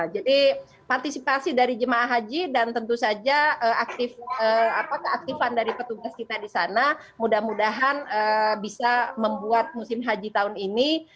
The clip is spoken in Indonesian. jadi partisipasi dari jemaah haji dan tentu saja aktif apa keaktifan dari petugas kita di sana mudah mudahan bisa membuat musim haji tahun ini